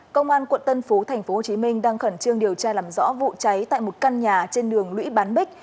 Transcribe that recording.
công an quận tân phú tp hcm đang khẩn trương điều tra làm rõ vụ cháy tại một căn nhà trên đường lũy bán bích